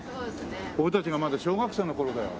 俺たちがまだ小学生の頃だよ。